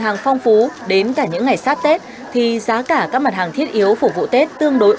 hàng phong phú đến cả những ngày sát tết thì giá cả các mặt hàng thiết yếu phục vụ tết tương đối